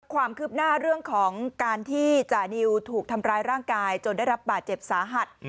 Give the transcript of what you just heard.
ความคืบหน้าเรื่องของการที่จานิวถูกทำร้ายร่างกายจนได้รับบาดเจ็บสาหัส